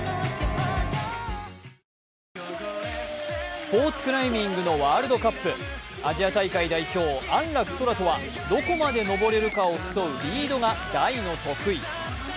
スポーツクライミングのワールドカップアジア大会代表、安楽宙斗はどこまで登れるかを競うリードが大の得意。